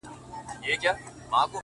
د سترگو د ملا خاوند دی’